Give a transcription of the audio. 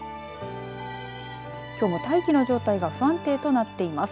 きょうも大気の状態が不安定となっています。